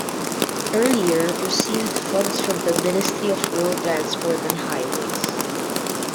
Earlier it received funds from the Ministry of Road Transport and Highways.